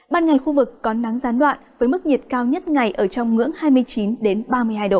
ban ngày khu vực có nắng gián đoạn với mức nhiệt cao nhất ngày ở trong ngưỡng hai mươi chín ba mươi hai độ